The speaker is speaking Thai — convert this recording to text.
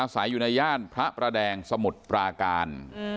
ใส่อยู่ในย่านพระประแดงสมุทรปราการ